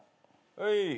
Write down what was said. はい。